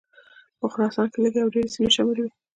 په خراسان کې لږې او ډېرې سیمې شاملي وې.